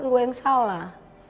gue yang salah